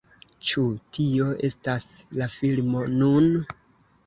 Ĉu tio estas la filmo nun?